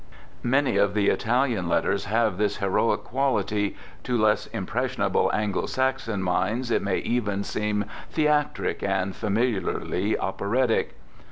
Many of the Italian letters have this heroic qual ity, to less impressionable Anglo Saxon minds it may even seem theatric and familiarly operatic.